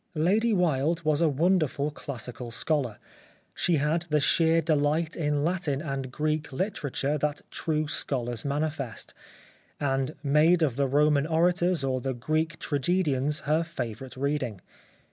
Lady Wilde was a wonderful classical scholar ; she had the sheer delight in Latin and Greek literature that true scholars manifest ; and made of the Roman orators or the Greek tragedians her favourite reading.